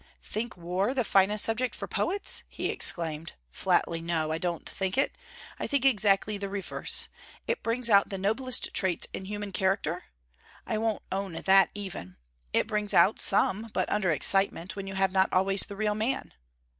'Think war the finest subject for poets?' he exclaimed. 'Flatly no: I don't think it. I think exactly the reverse. It brings out the noblest traits in human character? I won't own that even. It brings out some but under excitement, when you have not always the real man.